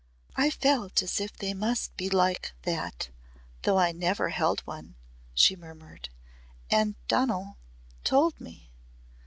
"I felt as if they must be like that though I had never held one," she murmured. "And Donal told me."